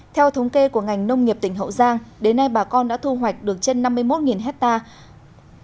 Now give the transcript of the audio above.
theo thống kê của ngành nông nghiệp tỉnh hậu giang đến nay bà con đã thu hoạch được trên năm mươi một hectare